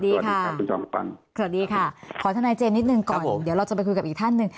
สวัสดีค่ะขอทนายเจมส์นิดนึงก่อนเดี๋ยวเราจะไปคุยกับอีกท่าน